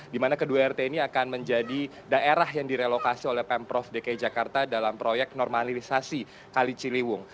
di mana kedua rt ini akan menjadi daerah yang direlokasi oleh pemprov dki jakarta dalam proyek normalisasi kali ciliwung